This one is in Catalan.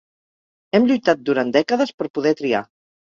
Hem lluitat durant dècades per poder triar.